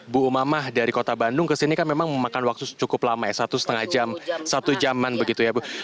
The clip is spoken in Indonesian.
bu umamah dari kota bandung ke sini kan memang memakan waktu cukup lama ya satu setengah jam satu jaman begitu ya bu